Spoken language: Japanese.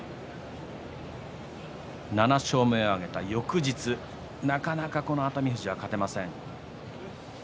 ７勝目を挙げた翌日なかなか熱海富士は勝てません。